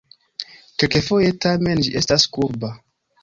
Kelkfoje, tamen, ĝi estas kurba.